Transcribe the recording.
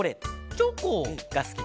チョコ！がすきかな。